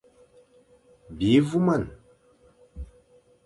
Bi voumane.